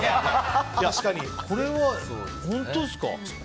これは本当ですか？